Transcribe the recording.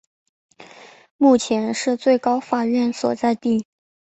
目前是最高法院所在地。